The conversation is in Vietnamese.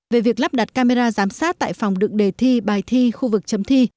về việc lắp đặt camera giám sát tại phòng đựng đề thi bài thi khu vực chấm thi